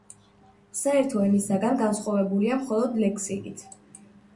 საერთო ენისაგან განსხვავებულია მხოლოდ ლექსიკით.